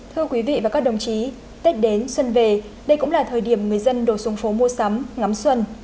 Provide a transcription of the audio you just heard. thưa quý vị và các đồng chí tết đến xuân về đây cũng là thời điểm người dân đổ xuống phố mua sắm ngắm xuân